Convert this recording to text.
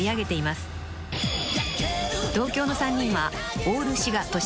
［同郷の３人は］